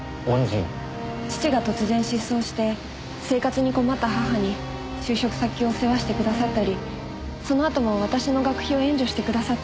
父が突然失踪して生活に困った母に就職先を世話してくださったりそのあとも私の学費を援助してくださったり。